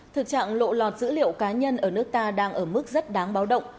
thực trạng lộ lọt dữ liệu cá nhân ở nước ta đang ở mức rất đáng báo động